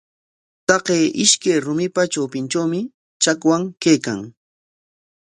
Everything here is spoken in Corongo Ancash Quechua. Taqay ishkay rumipa trawpintrawmi chakwan kaykan.